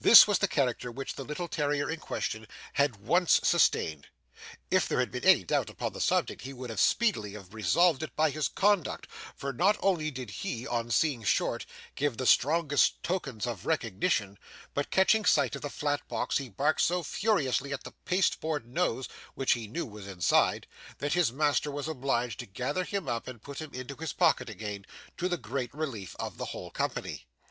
This was the character which the little terrier in question had once sustained; if there had been any doubt upon the subject he would speedily have resolved it by his conduct; for not only did he, on seeing Short, give the strongest tokens of recognition, but catching sight of the flat box he barked so furiously at the pasteboard nose which he knew was inside, that his master was obliged to gather him up and put him into his pocket again, to the great relief of the whole company.